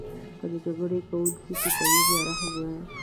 که د جګړو کونکیو کې تمیز یا رحم وای.